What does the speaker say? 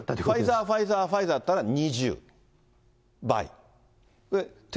ファイザー、ファイザー、ファイザーだったら２０倍。